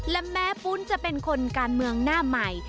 และแม้ปุ้นจะเป็นคนการเมืองหน้าใหม่